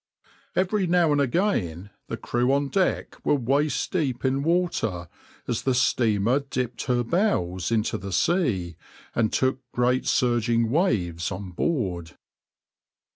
Every now and again the crew on deck were waist deep in water, as the steamer dipped her bows into the sea and took great surging waves on board.